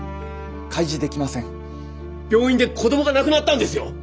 病院で子どもが亡くなったんですよ！